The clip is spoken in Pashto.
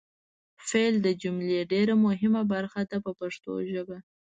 فعل د جملې ډېره مهمه برخه ده په پښتو ژبه.